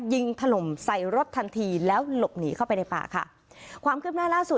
ถล่มใส่รถทันทีแล้วหลบหนีเข้าไปในป่าค่ะความคืบหน้าล่าสุด